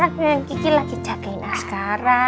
aku sama kiki lagi cekain askara